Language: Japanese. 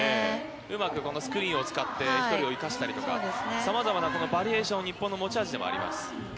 うまくこのスクリーンを使って、距離を生かしたりとか、さまざまなバリエーション、日本の持ち味でもあります。